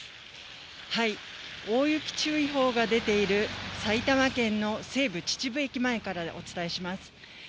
大雪注意報が出ている埼玉県の西部、秩父駅前からお伝えします。